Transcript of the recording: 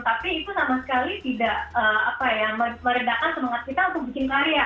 tapi itu sama sekali tidak merendahkan semangat kita untuk bikin karya